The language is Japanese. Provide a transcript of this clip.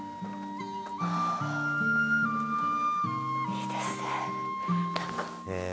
いいですねなんか。